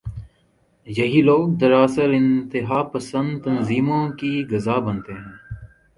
یہی لوگ دراصل انتہا پسند تنظیموں کی غذا بنتے ہیں۔